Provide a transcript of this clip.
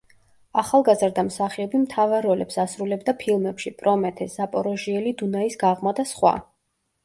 ახალგაზრდა მსახიობი მთავარ როლებს ასრულებდა ფილმებში: „პრომეთე“, „ზაპოროჟიელი დუნაის გაღმა“ და სხვა.